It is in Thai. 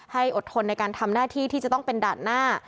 อดทนในการทำหน้าที่ที่จะต้องเป็นด่านหน้า